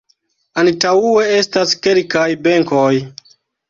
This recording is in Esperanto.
Antaŭe estas kelkaj benkoj.